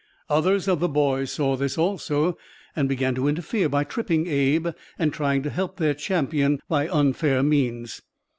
Others of "the Boys" saw this, also, and began to interfere by tripping Abe and trying to help their champion by unfair means.